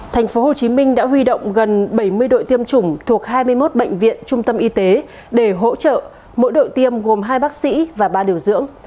tp hcm đã huy động gần bảy mươi đội tiêm chủng thuộc hai mươi một bệnh viện trung tâm y tế để hỗ trợ mỗi đội tiêm gồm hai bác sĩ và ba điều dưỡng